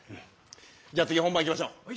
じゃあ次本番いきましょう。